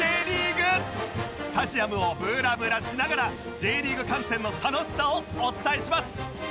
スタジアムをブラブラしながら Ｊ リーグ観戦の楽しさをお伝えします！